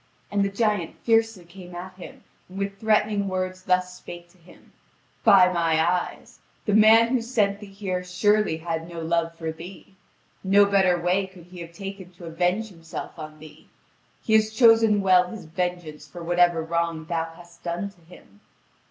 And the giant fiercely came at him, and with threatening words thus spake to him: "By my eyes, the man who sent thee here surely had no love for thee! No better way could he have taken to avenge himself on thee. He has chosen well his vengeance for whatever wrong thou hast done to him."